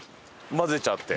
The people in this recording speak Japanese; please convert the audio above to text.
混ぜちゃって。